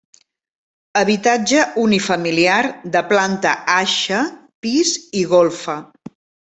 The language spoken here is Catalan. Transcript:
Habitatge unifamiliar de planta aixa, pis i golfa.